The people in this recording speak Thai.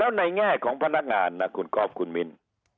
แล้วในแง่ของพนักงานนะคุณก๊อฟคุณมิ้น